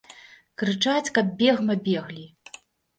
Крычаць, каб бегма беглі.